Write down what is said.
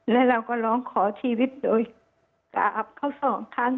และเราก็ร้องขอชีวิตโดยกราบเขาสองครั้ง